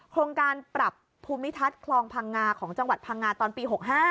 โครงการปรับภูมิทัศน์คลองพังงาของจังหวัดพังงาตอนปี๖๕